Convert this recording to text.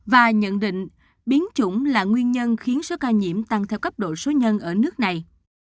và nhận định biến chủng là nguyên nhân khiến số ca nhiễm tăng theo cấp độ số nhân ở nước này